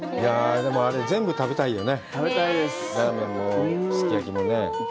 でも全部食べたいよね。